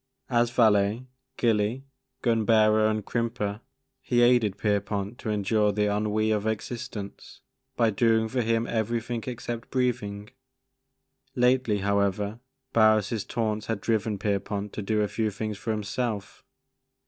As valet, gilly, gun bearer, and crimper, he aided Pierpont to endure the ennui of existence, by doing for him everything except breathing. Lately, however, Barris' taunts had driven Pierpont to do a few things for himself.